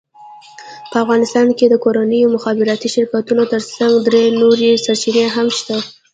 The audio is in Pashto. په افغانستان کې د کورنیو مخابراتي شرکتونو ترڅنګ درې نورې سرچینې هم شته،